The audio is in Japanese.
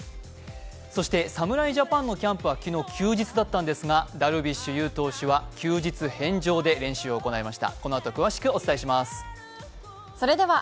そして侍ジャパンのキャンプは昨日、休日だったんですがダルビッシュ有投手は休日返上で練習を行いました。